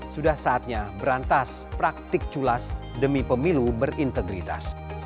sudah saatnya berantas praktik culas demi pemilu berintegritas